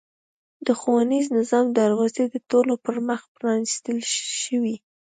د ښوونیز نظام دروازې د ټولو پرمخ پرانېستل شوې.